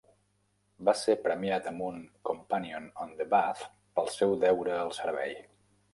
Va ser premiat amb un Companion on the Bath pel seu deure al servei.